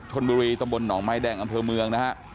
ชนบุรีตำบลหนองไม้แดงอำเภอเมืองนะฮะ